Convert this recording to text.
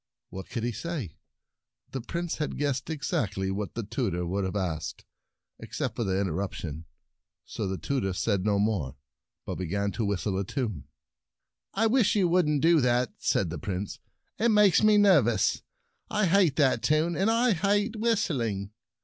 What could he say ? The Prince had guessed exactly what the tutor would have asked, except for the interrup tion. So the tutor said no more, but began to whistle a tune. " I wish you wouldn't do that," said the Prince. "It makes me nervous. I hate that tune, and I hate whistling."